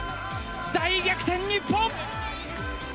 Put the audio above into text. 大逆転、日本！